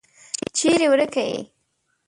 چیري ورکه یې ؟